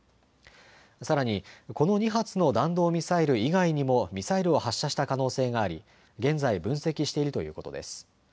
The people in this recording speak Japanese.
さらに、この２発の弾道ミサイル以外にもミサイルを発射した可能性があり現在、分析しているということです。